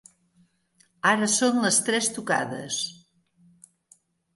Ara són les tres tocades.